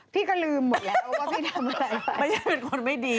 พี่ก็ลืมหมด